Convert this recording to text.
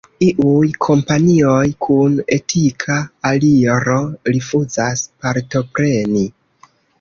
Iuj kompanioj kun etika aliro rifuzas partopreni.